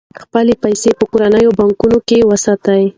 خپلې پيسې په کورنیو بانکونو کې وساتئ.